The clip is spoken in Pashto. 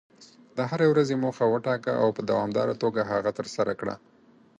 د هرې ورځې موخه وټاکه، او په دوامداره توګه هغه ترسره کړه.